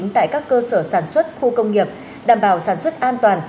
tại các cơ sở sản xuất khu công nghiệp đảm bảo sản xuất an toàn